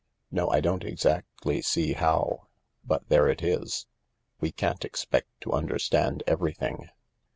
No, I don't exactly see how— but the it is. We can't expect to understand everything."